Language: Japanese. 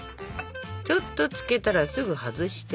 ちょっとつけたらすぐ外して。